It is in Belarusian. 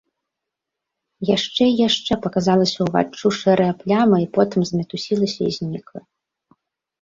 Яшчэ і яшчэ паказалася ўваччу шэрая пляма і потым замітусілася і знікла.